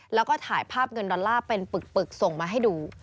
แล้วก็ถ่ายภาพเงินดอลลาร์เป็นปึกส่งมาให้ดู